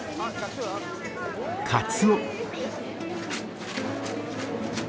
カツオ。